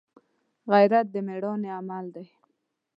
غیرت د مړانې عمل دی